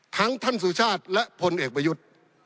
ท่านสุชาติและพลเอกประยุทธ์